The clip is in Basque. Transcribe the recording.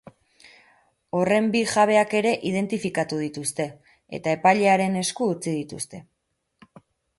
Horren bi jabeak ere identifikatu dituzte, eta epailearen esku utzi dituzte.